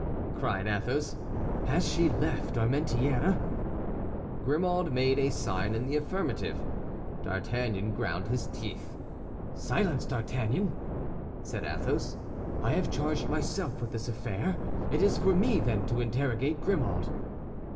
cried Athos. "Has she left Armentières?" Grimaud made a sign in the affirmative. D'Artagnan ground his teeth. "Silence, D'Artagnan!" said Athos. "I have charged myself with this affair. It is for me, then, to interrogate Grimaud."